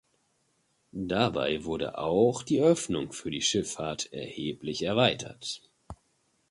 Dabei wurde auch die Öffnung für die Schifffahrt erheblich erweitert.